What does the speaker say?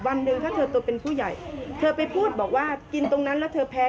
วันหนึ่งถ้าเธอตัวเป็นผู้ใหญ่เธอไปพูดบอกว่ากินตรงนั้นแล้วเธอแพ้